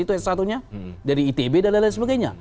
itu s satu nya dari itb dan lain lain sebagainya